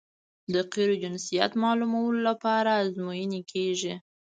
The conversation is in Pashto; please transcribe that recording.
د قیرو جنسیت معلومولو لپاره ازموینې کیږي